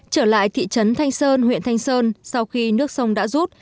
trở lại thị trấn thanh sơn huyện thanh sơn sau khi nước sông đã rút